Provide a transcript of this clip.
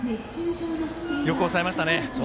よく抑えましたね。